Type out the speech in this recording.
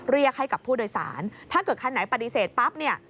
เรียกให้กับผู้โดยสารถ้าเกิดคันไหนปฏิเสธปั๊บเนี่ย